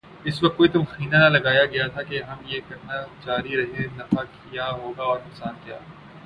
اس وقت کوئی تخمینہ نہ لگایاگیاتھا کہ ہم یہ کیا کرنے جارہے ہیں‘ نفع کیا ہوگا اورنقصان کیا۔